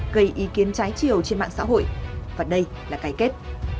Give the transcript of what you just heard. gây ý kiến trái chiều trên mạng xã hội và đây là cái kết